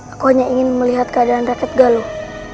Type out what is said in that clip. aku hanya ingin melihat keadaan rakyat galuh